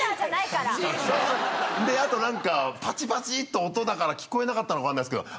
あとパチパチって音だから聞こえなかったのか分かんないっすけど。